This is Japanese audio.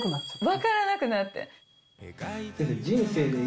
わからなくなって。